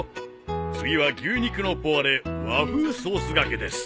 次は牛肉のポワレ和風ソース掛けです。